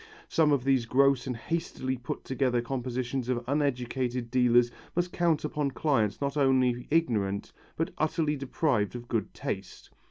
Some of these gross and hastily put together compositions of uneducated dealers must count upon clients not only ignorant, but utterly deprived of good taste.